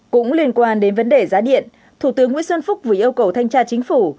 cũng liên quan đến vấn đề giá điện thủ tướng nguyễn xuân phúc vừa yêu cầu thanh tra chính phủ